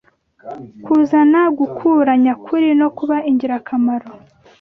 kuzana gukura nyakuri no kuba ingirakamaro